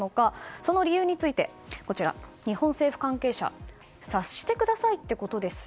その理由について日本政府関係者は察してくださいということですよ